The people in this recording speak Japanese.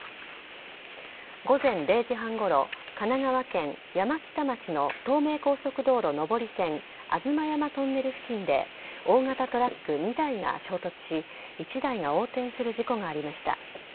午前０時半ごろ神奈川県山北町の東名高速道路上り線吾妻山トンネル付近で大型トラック２台が衝突し１台が横転する事故がありました。